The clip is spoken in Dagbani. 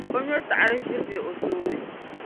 o nyɔtaɣiri-ʒira be o tooni.